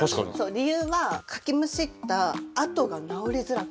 理由はかきむしった痕が治りづらくなった。